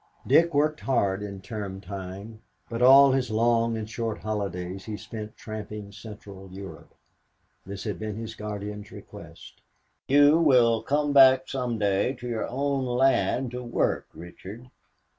Dick worked hard in term time, but all his long and short holidays he spent tramping Central Europe. This had been his guardian's request. "You will come back some day to your own land to work, Richard.